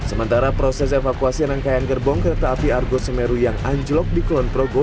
sementara proses evakuasi rangkaian gerbong kereta api argo semeru yang anjlok di kulon progo